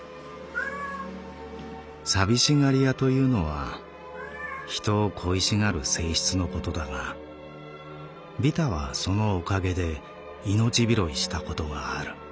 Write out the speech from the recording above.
「寂しがり屋というのは人を恋しがる性質のことだがビタはそのおかげで命拾いしたことがある」。